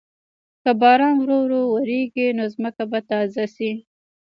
که باران ورو ورو وریږي، نو ځمکه به تازه شي.